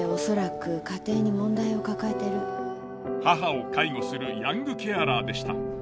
母を介護するヤングケアラーでした。